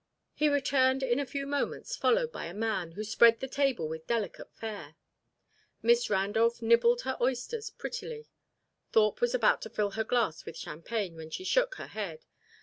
He returned in a few moments followed by a man, who spread the table with delicate fare. Miss Randolph nibbled her oysters prettily. Thorpe was about to fill her glass with champagne, when she shook her head.